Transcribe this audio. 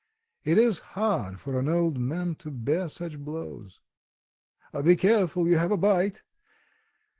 It is hard for an old man to bear such blows!... Be careful, you have a bite....